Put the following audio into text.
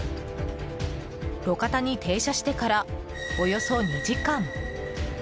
路肩に停車してからおよそ２時間。